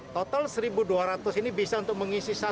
total satu dua ratus ini bisa untuk mengisi